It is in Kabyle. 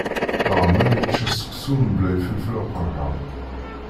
Laεmeṛ yečča seksu mbla ifelfel aqerḥan.